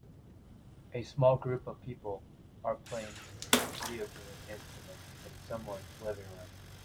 A small group of people are playing video game instruments in someone 's living room.